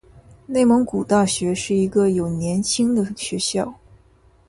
内蒙古大学是一个有年轻的学校。